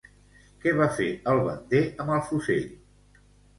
Què va fer el bander amb el fusell?